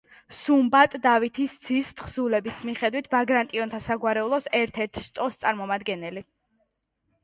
სუმბატ დავითის ძის თხზულების მიხედვით, ბაგრატიონთა საგვარეულოს ერთ-ერთი შტოს წარმომადგენელი.